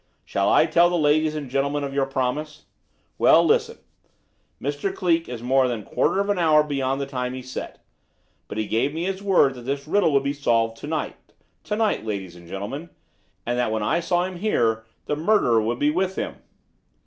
Shall I tell the ladies and gentlemen of your promise? Well, listen. Mr. Cleek is more than a quarter of an hour beyond the time he set, but he gave me his word that this riddle would be solved to night, to night, ladies and gentlemen, and that when I saw him here the murderer would be with him."